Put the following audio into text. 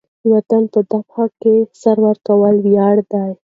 د وطن په دفاع کې سر ورکول ویاړ دی.